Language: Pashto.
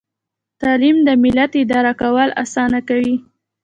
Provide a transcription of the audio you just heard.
تعلیم د ملت اداره کول اسانه کوي.